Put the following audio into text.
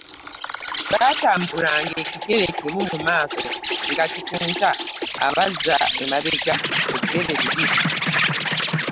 Bwe baatambulanga ekigere ekimu mu maaso nga kikunta abazza emabega ebigere bibiri.